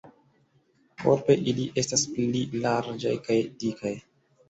Korpe ili estas pli larĝaj kaj dikaj.